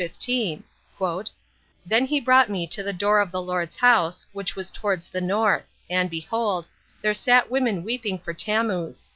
15: 'Then he brought me to the door of the Lord's House, which was towards the N.; and, behold there sat women weeping for Tammuz.